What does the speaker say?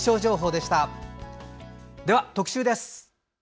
では、特集です。